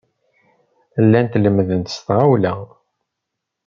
Llant lemmdent s tɣawla.